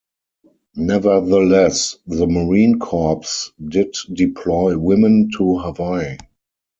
Nevertheless, the Marine Corps did deploy women to Hawaii.